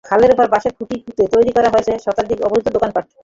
খালের ওপর বাঁশের খুঁটি পুঁতে তৈরি করা হয়েছে শতাধিক অবৈধ দোকানপাট।